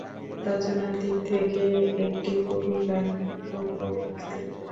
রচনার দিক থেকে এটি কবি-কাহিনীর পূর্ববর্তী।